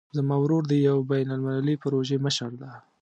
زما ورور د یوې بین المللي پروژې مشر ده